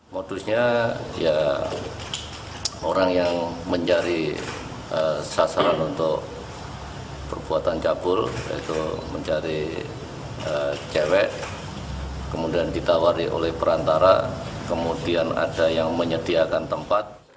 modusnya ya orang yang mencari sasaran untuk perbuatan cabul yaitu mencari cewek kemudian ditawari oleh perantara kemudian ada yang menyediakan tempat